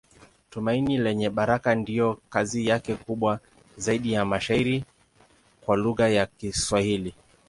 Tumaini Lenye Baraka ndiyo kazi yake kubwa zaidi ya mashairi kwa lugha ya Kiswahili.